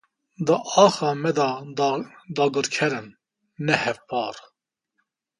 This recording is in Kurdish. Di axa me de dagirker in, ne hevpar.